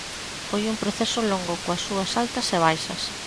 Foi un proceso longo, coas súas altas e baixas.